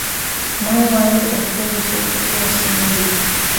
Mwewale okukozesa obubi ensimbi.